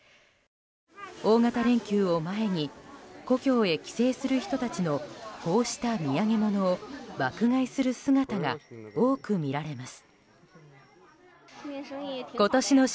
大型連休を前に故郷へ帰省する人たちのこうした土産物を爆買いする姿が多く見られます。